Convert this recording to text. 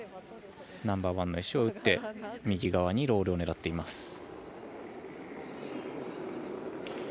ナンバーワンの石を打って右側にロールを狙っています。